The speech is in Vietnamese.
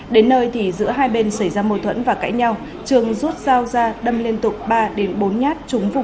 đến nơi thì giữa hai bên xảy ra mô thuẫn và cãi nhau trường rút dao ra đâm liên tục ba bốn nhát trúng vùng ngược trái làm hoài tử vong